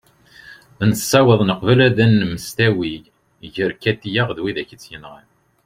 nessaweḍ neqbel ad nsemtawi gar katia d wid i tt-yenɣan